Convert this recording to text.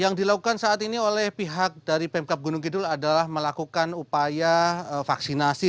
yang dilakukan saat ini oleh pihak dari pemkap gunung kidul adalah melakukan upaya vaksinasi